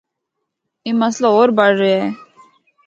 اے مسئلہ ہور بڑھ رہیا ہے۔